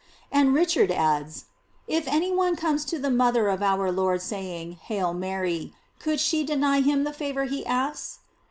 J And Richard adds: If any one comes to the mother of our Lord saying, "Hail Mary," could she deny him the favor he asks